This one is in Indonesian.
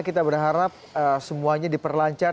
kita berharap semuanya diperlancar